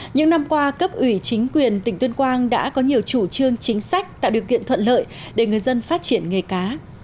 những năm qua cấp ủy chính quyền tỉnh tuyên quang đã có nhiều chủ trương chính sách tạo điều kiện thuận lợi để người dân phát triển nghề cá